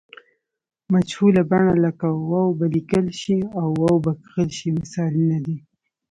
مجهوله بڼه لکه و به لیکل شي او و به کښل شي مثالونه دي.